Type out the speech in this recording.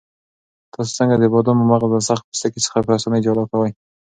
تاسو څنګه د بادامو مغز له سخت پوستکي څخه په اسانۍ جلا کوئ؟